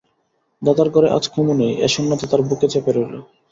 দাদার ঘরে আজ কুমু নেই, এ শূন্যতা তার বুকে চেপে রইল।